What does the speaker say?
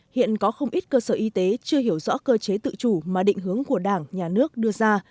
hiện có không ít cơ sở y tế chưa hiểu rõ cơ chế tự chủ mà định hướng của đảng nhà nước đưa ra